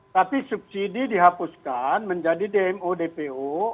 tapi subsidi dihapuskan menjadi dmo dpo